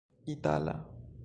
itala